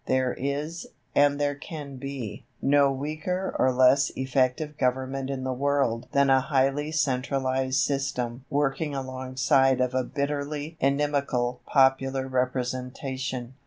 There is, and there can be, no weaker or less effective Government in the world than a highly centralized system working alongside of a bitterly inimical popular representation.